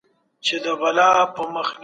تېری کوونکی به مجازات سي.